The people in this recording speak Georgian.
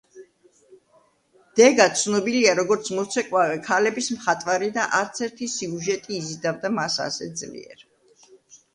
დეგა ცნობილია როგორც მოცეკვავე ქალების მხატვარი და არც ერთი სიუჟეტი იზიდავდა მას ასე ძლიერ.